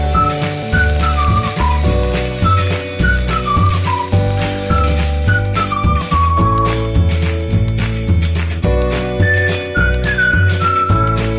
ข้าวผัดน้ำพริกกุ้งเสียบ